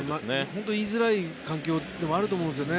本当に言いづらい環境ではあると思うんですよね。